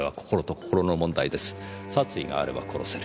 殺意があれば殺せる。